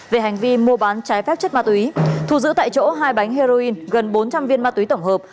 về hành vi mua bán trái phép chất ma túy thu giữ tại chỗ hai bánh heroin gần bốn trăm linh viên ma túy tổng hợp